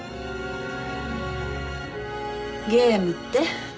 ゲームって？